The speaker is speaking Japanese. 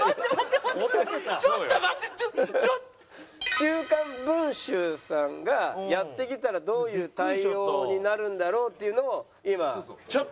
「週刊文集」さんがやって来たらどういう対応になるんだろうっていうのを今。